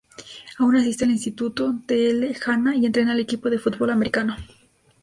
Aún asiste al Instituto T. L. Hanna y entrena al equipo de fútbol americano.